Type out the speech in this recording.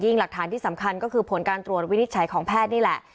หลักฐานที่สำคัญก็คือผลการตรวจวินิจฉัยของแพทย์นี่แหละ